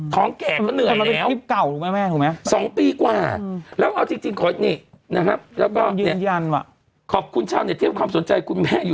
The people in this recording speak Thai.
ท้องแก่ก็เหนื่อยแล้ว